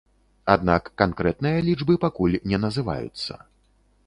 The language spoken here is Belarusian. Аднак канкрэтныя лічбы пакуль не называюцца.